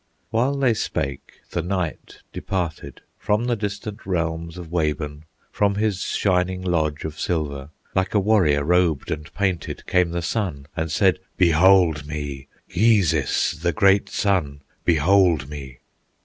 While they spake, the night departed: From the distant realms of Wabun, From his shining lodge of silver, Like a warrior robed and painted, Came the sun, and said, "Behold me Gheezis, the great sun, behold me!"